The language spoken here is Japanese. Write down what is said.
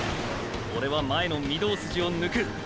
オレは前の御堂筋を抜く！！